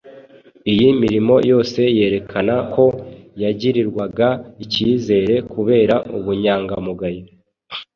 Iyi mirimo yose yerekana ko yagirirwaga icyizere kubera ubunyangamugayo